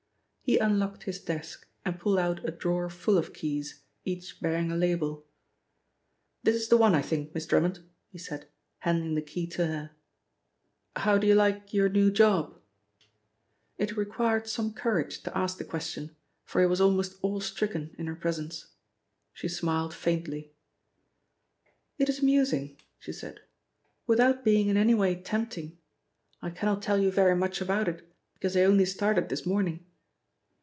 He unlocked his desk and pulled out a drawer full of keys, each bearing a label. "This is the one, I think, Miss Drummond," he said, handing the key to her. "How do you like your new job?" It required some courage to ask the question, for he was almost awestricken in her presence. She smiled faintly. "It is amusing," she said, "without being in any way tempting! I cannot tell you very much about it, because I only started this morning."